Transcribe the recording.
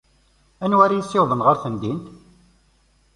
Anwa ara iyi-issiwḍen ɣer temdint?